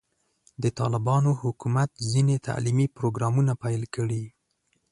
د طالبانو حکومت ځینې تعلیمي پروګرامونه پیل کړي.